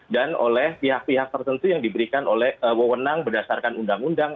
dan oleh pihak pihak tertentu yang diberikan oleh wewenang berdasarkan undang undang